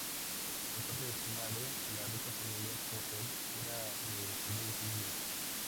Por parte de su madre —la rica familia Potter—, era de ascendencia inglesa.